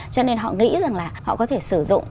cho nên họ nghĩ rằng là họ có thể sử dụng